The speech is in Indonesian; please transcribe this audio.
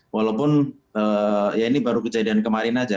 walaupun ya ini baru kejadian kemarin saja